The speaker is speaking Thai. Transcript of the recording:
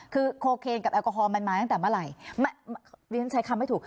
คือโคเคนกับแอลกอฮอลมันมาตั้งแต่เมื่อไหร่ดิฉันใช้คำไม่ถูก